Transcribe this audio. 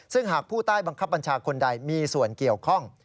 ซึ่งหากผู้ใต้บังคับบัญชาคนใดมีส่วนเกี่ยวข้อง